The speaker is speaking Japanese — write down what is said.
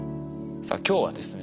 さあ今日はですね